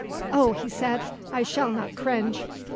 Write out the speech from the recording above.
"Oh," he said, "I shall not cringe.